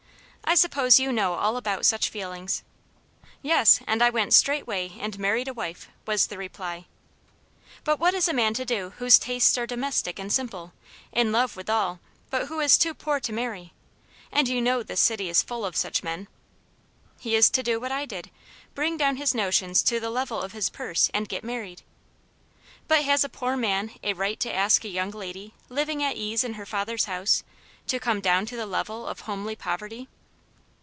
I suppose you know all about such feelings." "Yes, and I went straightway and married a wife," was the reply. " But what is a man to do whose tastes are domestic and simple, in love withal, but who is too poor to marry ? And you know this city is full of such men." " He is to do what I did. Bring down his notions to the level of his purse, and get married." "But has a poor man a right to ask a young lady, living at ease in her father's house, to come down to the level of homely poverty